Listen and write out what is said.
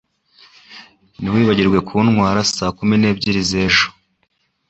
Ntiwibagirwe kuntwara saa kumi n'ebyiri z'ejo.